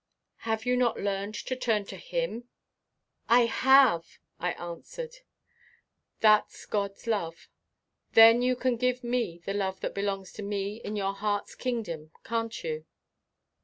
"Have you not learned to turn to Him?" "I have!" I answered. "That's God's love. Then you can give me the love that belongs to me in your heart's kingdom, can't you?"